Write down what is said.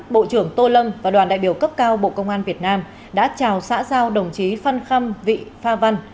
bộ trưởng tô lâm và đoàn đại biểu cấp cao bộ công an việt nam đã chào xã giao đồng chí phan khâm vị pha văn